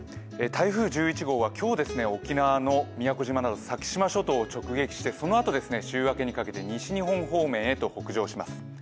台風１１号は今日、沖縄の宮古島など先島諸島を直撃してそのあと、週明けにかけて西日本方面へ北上します。